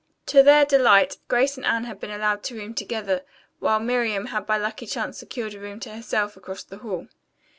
To their delight Grace and Anne had been allowed to room together, while Miriam had by lucky chance secured a room to herself across the hall.